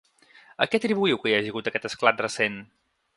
A què atribuïu que hi hagi hagut aquest esclat recent?